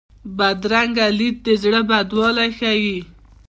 بدرنګه لید د زړه بدوالی ښيي